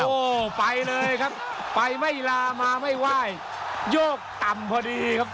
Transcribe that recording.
โอ้โหไปเลยครับไปไม่ลามาไม่ไหว้โยกต่ำพอดีครับ